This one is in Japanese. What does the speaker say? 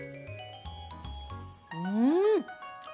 うん！